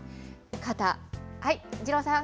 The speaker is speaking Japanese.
肩、はい、二郎さん。